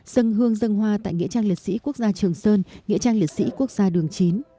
dân hương dân hoa tại nghĩa trang liệt sĩ quốc gia trường sơn nghĩa trang liệt sĩ quốc gia đường chín